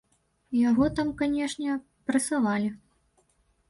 Яго там, канечне, прэсавалі.